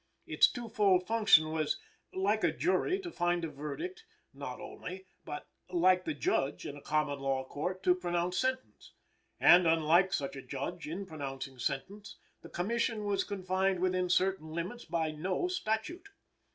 Its two fold function was, like a jury to find a verdict, not only, but, like the judge in a common law court, to pronounce sentence; and, unlike such a judge, in pronouncing sentence, the Commission was confined within certain limits by no statute.